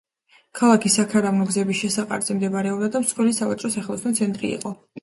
ქალაქი საქარავნო გზების შესაყარზე მდებარეობდა და მსხვილი სავაჭრო-სახელოსნო ცენტრი იყო.